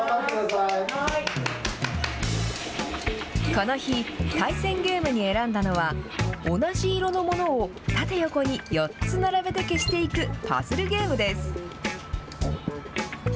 この日、対戦ゲームに選んだのは、同じ色のものを縦横に４つ並べて消していくパズルゲームです。